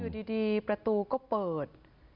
คุณดูดีประตูก็เปิด